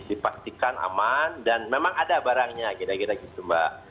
dipastikan aman dan memang ada barangnya kira kira gitu mbak